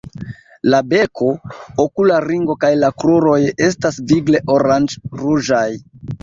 La beko, okula ringo kaj la kruroj estas vigle oranĝ-ruĝaj.